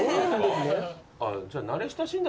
じゃあ慣れ親しんだ。